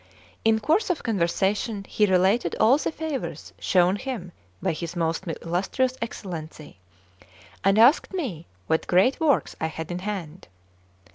In course of conversation he related all the favours shown him by his most illustrious Excellency, and asked me what great works I had in hand.